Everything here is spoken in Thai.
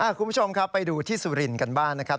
คุณผู้ชมครับไปดูที่สุรินทร์กันบ้างนะครับ